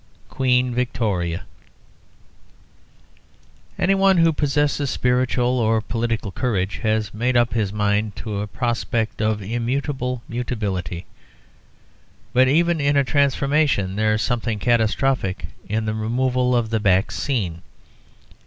QUEEN VICTORIA Anyone who possesses spiritual or political courage has made up his mind to a prospect of immutable mutability; but even in a "transformation" there is something catastrophic in the removal of the back scene.